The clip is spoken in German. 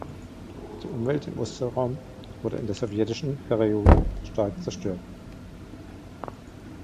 Die Umwelt im Ostseeraum wurde in der sowjetischen Periode stark zerstört.